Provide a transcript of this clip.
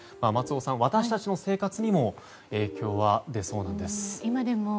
松尾さん、私たちの生活にも影響は出そうなんです。